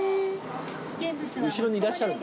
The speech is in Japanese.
後ろにいらっしゃる。